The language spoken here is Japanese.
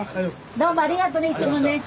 どうもありがとうねいつもね。